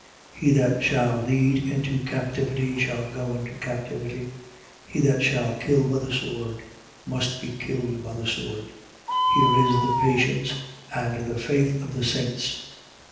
13:10. He that shall lead into captivity shall go into captivity: he that shall kill by the sword must be killed by the sword. Here is the patience and the faith of the saints.